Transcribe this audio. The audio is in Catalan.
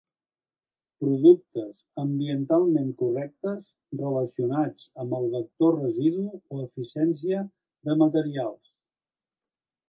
Productes ambientalment correctes, relacionats amb el vector residu o eficiència de materials.